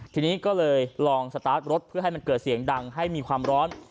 ทีนี้ก็เลยลองสตาร์ทรถเพื่อให้มันเกิดเสียงดังให้มีความร้อน